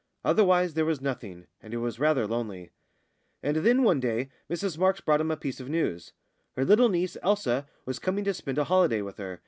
Otherwise there was nothing, and it was rather lonely. And then one day Mrs Marks brought him a piece of news. Her little niece, Elsa, was coming to spend a holiday with her.